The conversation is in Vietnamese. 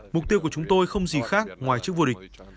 mục tiêu của chúng tôi không gì khác ngoài trước vua địch